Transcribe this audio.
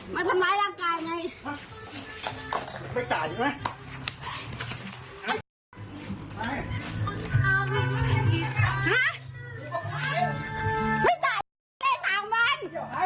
ไม่จ่ายก๊ายได้๓วัน